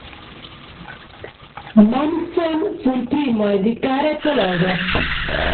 Mommsen fu il primo ad indicare Toledo.